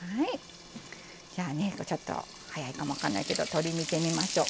じゃあねちょっと早いかもわからないけど鶏見てみましょう。